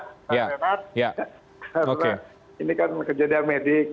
karena ini kan kejadian medis